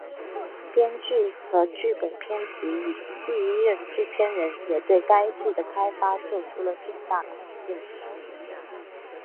编剧和剧本编辑以及第一任制片人也对该剧的开发作出了重大贡献。